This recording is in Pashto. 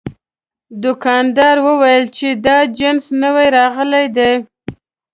دوکاندار وویل چې دا جنس نوي راغلي دي.